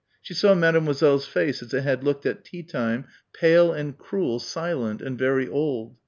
She saw Mademoiselle's face as it had looked at tea time, pale and cruel, silent and very old.